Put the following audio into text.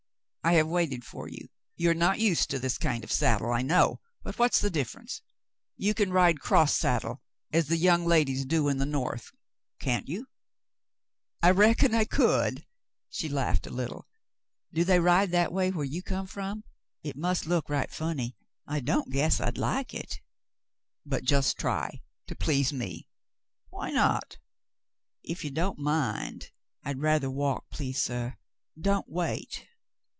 "I have waited for you. You are not used to this kind of a saddle, I know, but what's the difference ? You can ride cross saddle as the young ladies do in the North, can't vou ?" I reckon I could." She laughed a little. "Do they it Cassandra's Trouble 127 ride that way where you come from ? It must look right funny. I don't guess I'd Uke it." *'But just try — to please me? Why not?" "If you don't mind, I'd rather walk, please, suh. Don't wait."